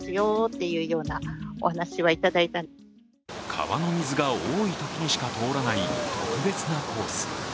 川の水が多いときにしか通らない特別なコース。